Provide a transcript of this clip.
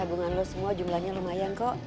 tabungan lo semua jumlahnya lumayan kok